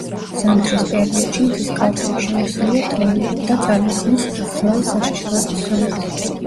ზამთრის პერიოდში მთის კალთები შემოსილია თოვლით და წარმოქმნის ზვავსაშიშროების ზონას.